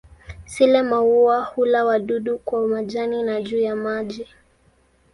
Sile-maua hula wadudu kwa majani na juu ya maji.